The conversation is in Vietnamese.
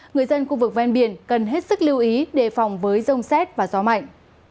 người dân khu vực ven biển cần hết sức lưu ý đề phòng với rông xét và gió mạnh